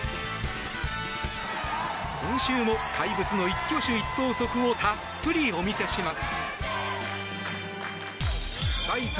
今週も怪物の一挙手一投足をたっぷりお見せします。